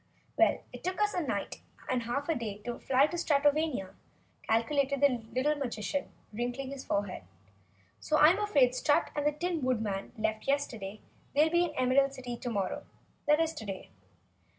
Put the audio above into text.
"Well, it took us a night, and half a day to fly to Stratovania," calculated the little Magician, wrinkling his forehead. "So I'm afraid if Strut and the Tin Woodman left yesterday, they'll be in the Emerald City tomorrow. That is today."